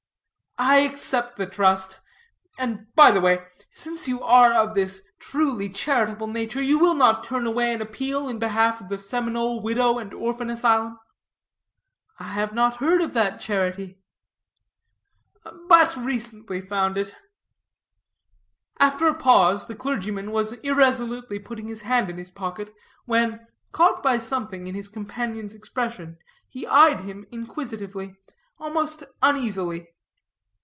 "I accept the trust. And, by the way, since you are of this truly charitable nature, you will not turn away an appeal in behalf of the Seminole Widow and Orphan Asylum?" "I have not heard of that charity." "But recently founded." After a pause, the clergyman was irresolutely putting his hand in his pocket, when, caught by something in his companion's expression, he eyed him inquisitively, almost uneasily.